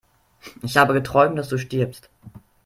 Ich habe geträumt, dass du stirbst